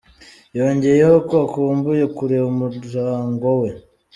Yongeyeho ko akumbuye kureba umurango we.